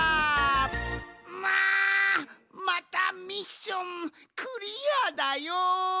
またミッションクリアだよん！